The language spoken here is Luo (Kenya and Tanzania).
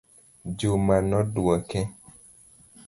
Juma nodwoke